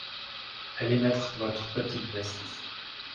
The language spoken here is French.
Allez mettre votre petite veste.